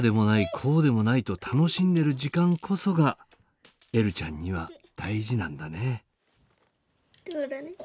こうでもないと楽しんでる時間こそがえるちゃんには大事なんだね。